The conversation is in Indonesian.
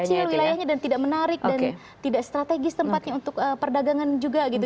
kecil wilayahnya dan tidak menarik dan tidak strategis tempatnya untuk perdagangan juga gitu